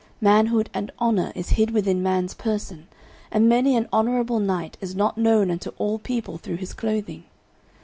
Manhood and honour is hid within man's person, and many an honourable knight is not known unto all people through his clothing.